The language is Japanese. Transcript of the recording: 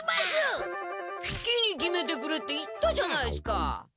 すきに決めてくれって言ったじゃないっすか！